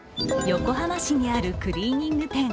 横浜市にあるクリーニング店。